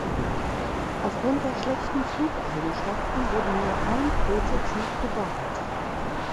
Aufgrund der schlechten Flugeigenschaften wurde nur ein Prototyp gebaut.